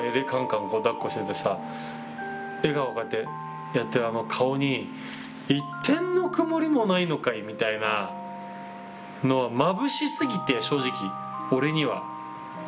かんかんだっこしててさ、笑顔、こうやってやってるあの顔に、一点の曇りもないのかいみたいなのは、まぶしすぎて、正直、俺には。